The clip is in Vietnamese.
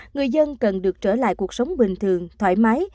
người dân cần được trở lại cuộc sống bình thường thoải mái